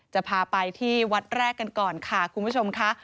จะพาไปที่วัดแรกกันก่อนค่ะคุณผู้ชมค่ะ